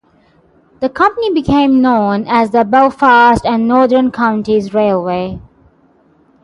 The company became known as the Belfast and Northern Counties Railway.